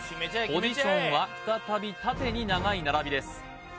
ポジションは再び縦に長い並びです